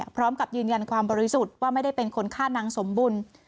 พร้อมกับยืนยันความบริสุทธิ์ว่าไม่ได้เป็นคนฆ่านางสมบุญ